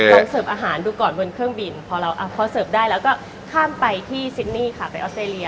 เสิร์ฟอาหารดูก่อนบนเครื่องบินพอเราพอเสิร์ฟได้แล้วก็ข้ามไปที่ซินนี่ค่ะไปออสเตรเลี